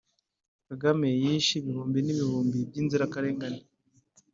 kagame yishe ibihumbi n'ibihumbi by'inzirakarengane